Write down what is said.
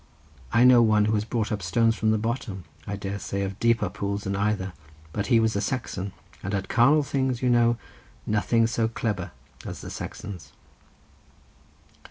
I know one who has brought up stones from the bottom, I dare say, of deeper pools than either, but he was a Saxon, and at carnal things, you know, none so clebber as the Saxons."